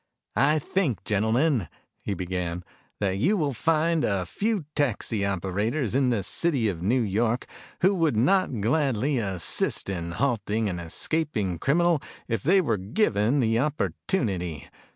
"I think, gentlemen," he began, "that you will find few taxi operators in the city of New York who would not gladly assist in halting an escaping criminal if they were given the opportunity.